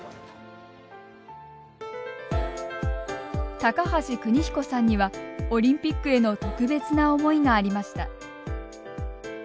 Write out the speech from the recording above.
高橋邦彦さんにはオリンピックへの特別な思いがありました。